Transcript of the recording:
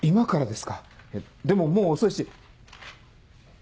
でももう遅いし。